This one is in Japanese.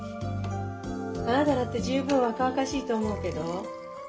あなただって十分若々しいと思うけど。